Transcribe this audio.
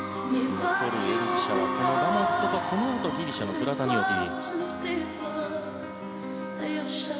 残る演技者はラモットとこのあとにギリシャのプラタニオティ。